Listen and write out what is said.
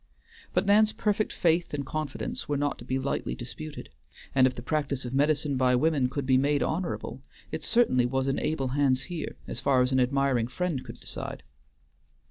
But Nan's perfect faith and confidence were not to be lightly disputed; and if the practice of medicine by women could be made honorable, it certainly was in able hands here, as far as an admiring friend could decide.